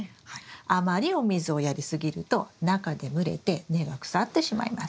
あまりお水をやり過ぎると中で蒸れて根が腐ってしまいます。